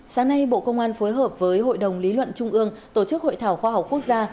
sáng nay bộ công an phối hợp với hội đồng lý luận trung ương tổ chức hội thảo khoa học quốc gia